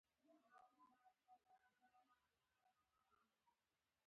شعر و هنر د نورو پوهنو په وړاندې همداسې یو ځای لري.